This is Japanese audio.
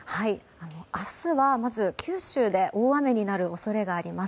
明日は、まず九州で大雨になる恐れがあります。